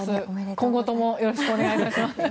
今後ともよろしくお願いいたします。